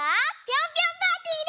ピョンピョンパーティー？